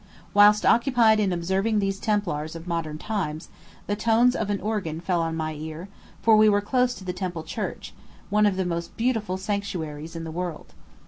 Whilst occupied in observing these Templars of modern times, the tones of an organ fell on my ear, for we were close to the Temple Church, one of the most beautiful sanctuaries in the world.